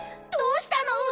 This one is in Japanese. どうしたの？